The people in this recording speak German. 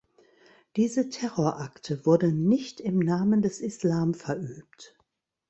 Diese Terrorakte wurden nicht im Namen des Islam verübt.